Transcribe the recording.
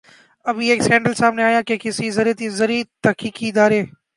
ابھی ایک سکینڈل سامنے آیا کہ کیسے زرعی تحقیقی ادارے